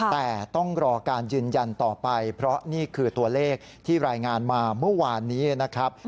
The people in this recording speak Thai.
แต่ต้องรอการยืนยันต่อไปเพราะนี่คือตัวเลขที่รายงานมาเมื่อวานนี้นะครับ